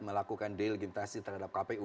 melakukan delegitimasi terhadap kpu dan kpu